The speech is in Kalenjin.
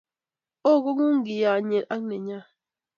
Oo kong'ung' ngiiyanye ak nenyo.